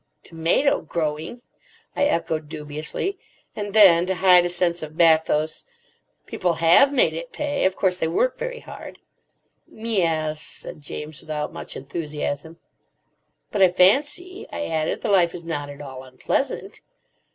"Tomato growing?" I echoed dubiously. And then, to hide a sense of bathos, "People have made it pay. Of course, they work very hard." "M'yes," said James without much enthusiasm. "But I fancy," I added, "the life is not at all unpleasant."